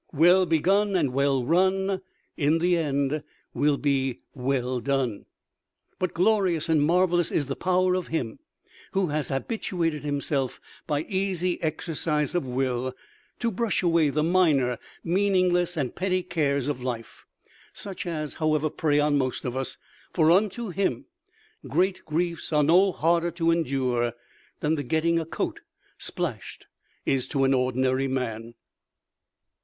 Well begun and well run in the end will be well done. But glorious and marvelous is the power of him who has habituated himself by easy exercise of Will to brush away the minor, meaningless and petty cares of life, such as, however, prey on most of us; for unto him great griefs are no harder to endure than the getting a coat splashed is to an ordinary man.